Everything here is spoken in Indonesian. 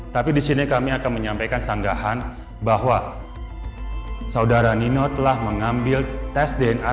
tapi di sini kami akan menyampaikan sanggahan bahwa saudara nino telah mengambil tes dna